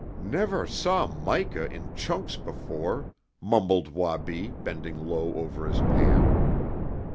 "Never saw mica in chunks before," mumbled Wabi, bending low over his pan.